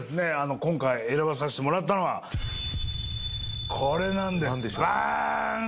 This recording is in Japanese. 今回選ばさせてもらったのはこれなんですバーン